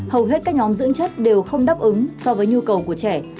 hầu hết các nhóm dưỡng chất đều không đáp ứng so với nhu cầu của trẻ